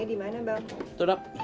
ah sama jenap aja